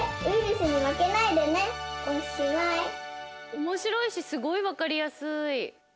おもしろいしすごいわかりやすい。